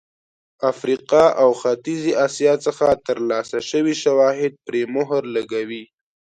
افریقا او ختیځې اسیا څخه ترلاسه شوي شواهد پرې مهر لګوي.